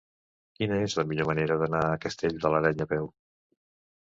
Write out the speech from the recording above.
Quina és la millor manera d'anar a Castell de l'Areny a peu?